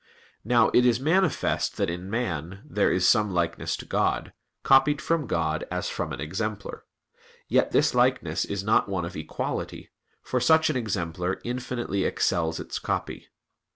Now it is manifest that in man there is some likeness to God, copied from God as from an exemplar; yet this likeness is not one of equality, for such an exemplar infinitely excels its copy.